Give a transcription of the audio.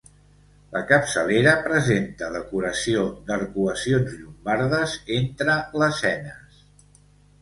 La capçalera presenta decoració d'arcuacions llombardes entre lesenes.